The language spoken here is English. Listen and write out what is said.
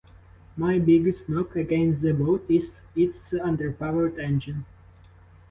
My biggest knock against the boat is its underpowered engine.